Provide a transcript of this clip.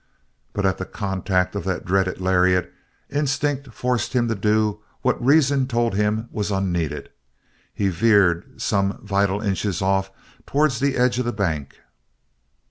But at the contact of that dreaded lariat instinct forced him to do what reason told him was unneeded he veered some vital inches off towards the edge of the bank.